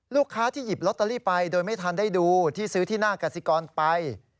ที่หยิบลอตเตอรี่ไปโดยไม่ทันได้ดูที่ซื้อที่หน้ากสิกรไป